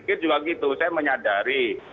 mungkin juga gitu saya menyadari